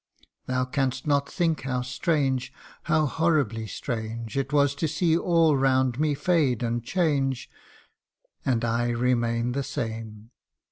Thou canst not think how strange how horribly strange It was to see all round me fade and change, And I remain the same